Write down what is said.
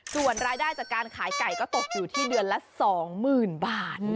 ส่วนรายได้จากการขายไก่ก็ตกอยู่ที่เดือนละ๒๐๐๐บาท